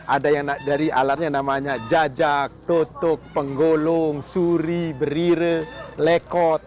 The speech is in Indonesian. ada yang dari alatnya namanya jajak tutup penggolong suri berire lekot